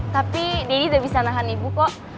tapi deddy udah bisa nahan ibu kok